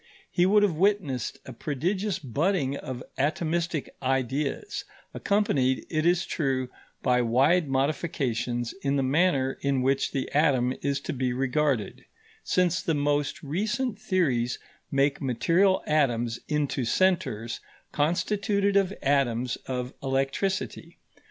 He would have witnessed a prodigious budding of atomistic ideas, accompanied, it is true, by wide modifications in the manner in which the atom is to be regarded, since the most recent theories make material atoms into centres constituted of atoms of electricity.